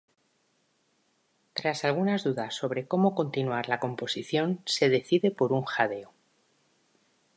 Tras algunas dudas sobre cómo continuar la composición, se decide por un jaleo.